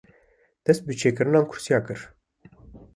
dest bi çêkirina kursîya kir